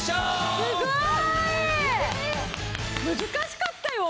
難しかったよ。